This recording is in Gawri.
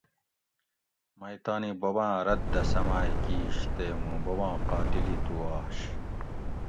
مئ تانی بوباۤں رت دہ سمائ کیش تے موں بوباں قاتل ئ تو آش